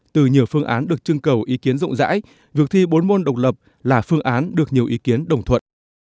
từ nhiều phương án được trưng cầu ý kiến rộng rãi việc thi bốn môn độc lập là phương án được nhiều ý kiến đồng thuận